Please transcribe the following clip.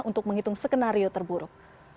untuk menghitung skenario terburuk